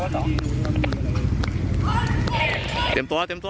เตรียมตัวเต็มตัว